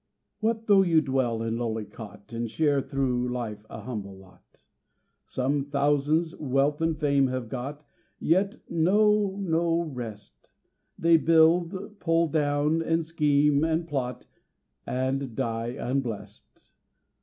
What, though you dwell in lowly cot, And share through life a humble lot? Some thousands wealth and fame have got, Yet know no rest: They build, pull down, and scheme and plot, And die unblest.